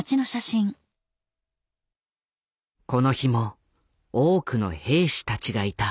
この日も多くの兵士たちがいた。